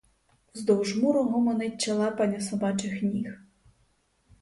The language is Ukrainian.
Вздовж муру гомонить чалапання собачих ніг.